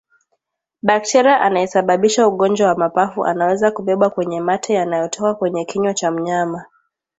Bakteria anayesababisha ugonjwa wa mapafu anaweza kubebwa kwenye mate yanayotoka kwenye kinywa cha mnyama